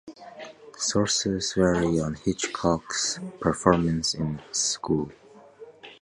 Sources vary on Hitchcock's performance in school.